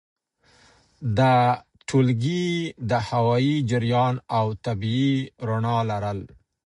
د ټولګي د هوايي جریان او طبیعي رؤڼا لرل!